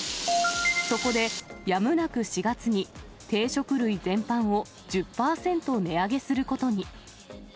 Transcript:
そこでやむなく４月に定食類全般を１０％値上げすることに。